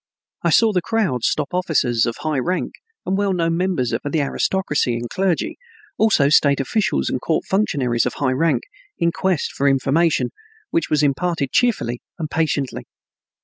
I saw the crowds stop officers of high rank and well known members of the aristocracy and clergy, also state officials and court functionaries of high rank, in quest of information, which was imparted cheerfully and patiently.